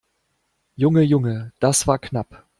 Junge, Junge, das war knapp!